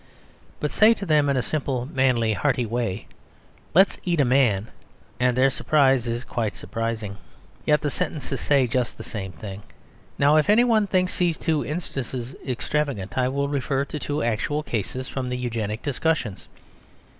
But say to them, in a simple, manly, hearty way "Let's eat a man!" and their surprise is quite surprising. Yet the sentences say just the same thing. Now, if anyone thinks these two instances extravagant, I will refer to two actual cases from the Eugenic discussions.